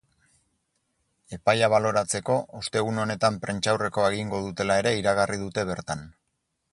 Epaia baloratzeko, ostegun honetan prentsaurrekoa egingo dutela ere iragarri dute bertan.